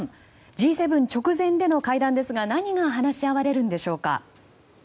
Ｇ７直前での会談ですが何が話し合われるんでしょうか。